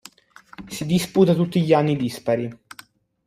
Si disputa tutti gli anni dispari.